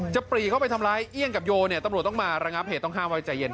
ปรีเข้าไปทำร้ายเอี่ยงกับโยเนี่ยตำรวจต้องมาระงับเหตุต้องห้ามไว้ใจเย็น